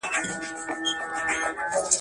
زه به اوږده موده لوښي وچولي وم؟!